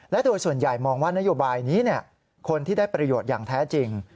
และโดยส่วนใหญ่มองว่านโยบายนี้คนที่ได้ประโยชน์อย่างแท้จริง